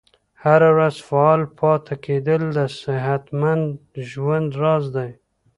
هره ورځ فعال پاتې کیدل د صحتمند ژوند راز دی.